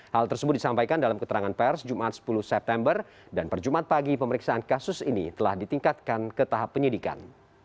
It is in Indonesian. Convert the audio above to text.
hal tersebut disampaikan dalam keterangan pers jumat sepuluh september dan perjumat pagi pemeriksaan kasus ini telah ditingkatkan ke tahap penyidikan